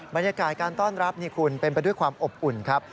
บรรยากาศการต้อนรับนี่คุณเป็นไปด้วยความอบอุ่นครับ